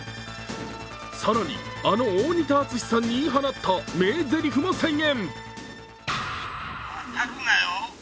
さらに、あの大仁田厚さんに言い放った名ぜりふも再現。